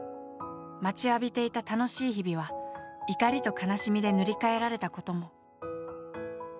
待ちわびていた楽しい日々は怒りと悲しみで塗り替えられたことも。